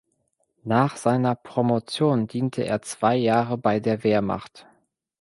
Nach seiner Promotion diente er zwei Jahre bei der Wehrmacht.